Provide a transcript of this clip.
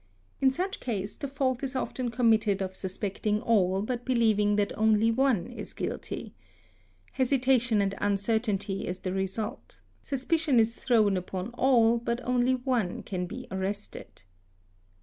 In such a case the fault is often committed of suspecting all but believing that only one is guilty. Hesitation and ; iIncertainty is the result; suspicion is thrown upon all but only one can be arrested.